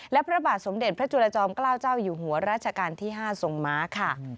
และพระบาทสมเด็จพระจุลจอมเกล้าเจ้าอยู่หัวราชการที่๕ทรงม้าค่ะ